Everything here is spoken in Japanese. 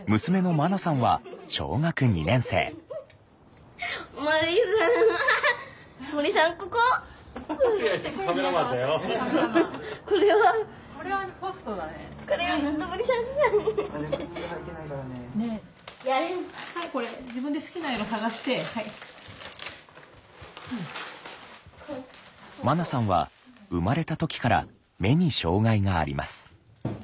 まなさんは生まれた時から目に障害があります。